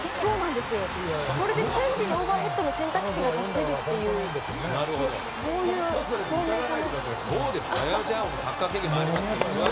これで瞬時にオーバーヘッドの選択肢がなせるというそういう聡明さも。